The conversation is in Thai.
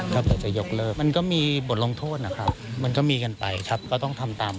ก็แต่จะยกเลิกมันก็มีบทลงโทษนะครับมันก็มีกันไปครับก็ต้องทำตาม